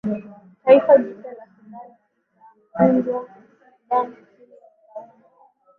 taifa jipya la sudan itaundwa sudan kusini litaundwa